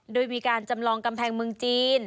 โดยมีการจำลองกำแพงเมืองจีน